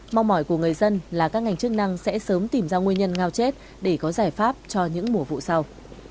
mong mỏi của người dân là các ngành chức năng sẽ sớm tìm ra nguyên nhân ngao chết để có giải pháp cho những mùa vụ sau